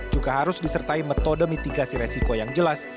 juga harus disertai metode mitigasi resiko yang jelas